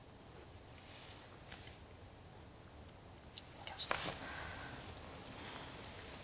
負けました。